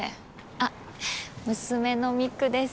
あっ娘の実玖です。